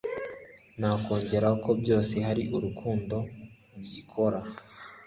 nakongeraho ko byose ahari urukundo byikora